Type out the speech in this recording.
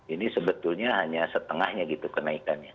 ini sebetulnya hanya setengahnya gitu kenaikannya